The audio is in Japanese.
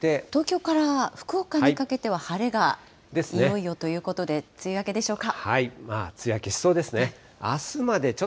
東京から福岡にかけては、晴れが、いよいよということで、梅雨明けでしょうか。